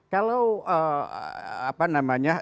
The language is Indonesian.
kalau apa namanya